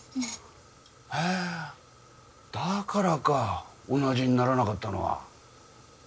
へぇだからか同じにならなかったのは。